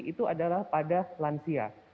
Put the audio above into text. itu adalah pada lansia